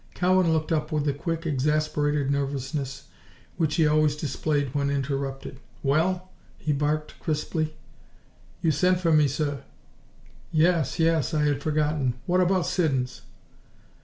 Cowan looked up with the quick, exasperated nervousness which he always displayed when interrupted. "Well!" he barked, crisply. "You sent for me, sir?" "Yes, yes. I had forgotten. What about Siddons?"